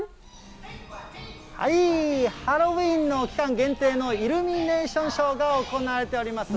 はい、ハロウィーンの期間限定のイルミネーションショーが行われております。